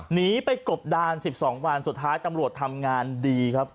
หนีไปกบดาน๑๒วันสุดท้ายตำรวจทำงานดีครับ